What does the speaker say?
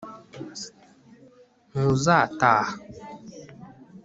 ntuzataha